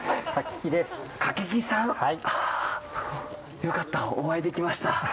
よかった、お会いできました。